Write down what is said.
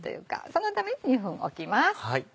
そのために２分おきます。